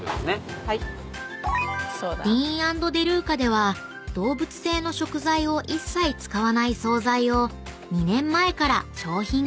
［ＤＥＡＮ＆ＤＥＬＵＣＡでは動物性の食材を一切使わない惣菜を２年前から商品化］